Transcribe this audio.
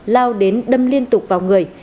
lao đến đâm liên tục vào người